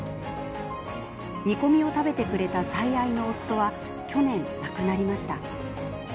煮込みを食べてくれた最愛の夫は去年、亡くなりました。